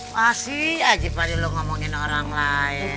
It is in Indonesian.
masih ajib aja lu ngomongin orang lain